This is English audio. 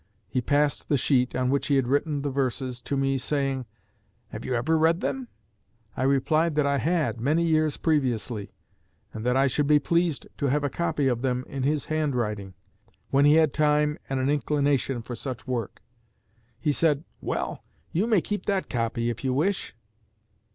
He passed the sheet, on which he had written the verses, to me, saying, 'Have you ever read them?' I replied that I had, many years previously, and that I should be pleased to have a copy of them in his handwriting, when he had time and an inclination for such work. He said, 'Well, you may keep that copy, if you wish.'"